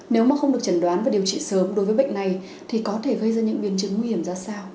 nếu mà không được chẩn đoán và điều trị sớm đối với bệnh này thì có thể gây ra những biến chứng nguy hiểm ra sao